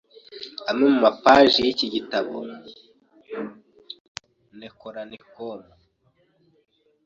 Amwe mu mapaji y’iki gitabo nekoronikom